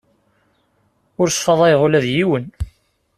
Ur sfadayeɣ ula d yiwen.